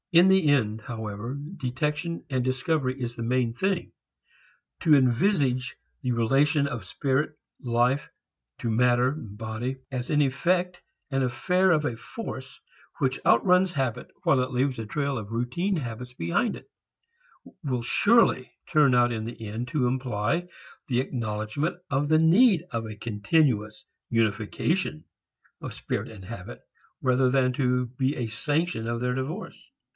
In the end, however, detection, discovery, is the main thing. To envisage the relation of spirit, life, to matter, body, as in effect an affair of a force which outruns habit while it leaves a trail of routine habits behind it, will surely turn out in the end to imply the acknowledgment of the need of a continuous unification of spirit and habit, rather than to be a sanction of their divorce.